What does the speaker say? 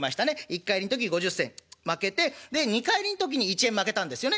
一荷入りの時５０銭まけてで二荷入りの時に１円まけたんですよね。